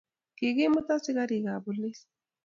kikimut askarikab polis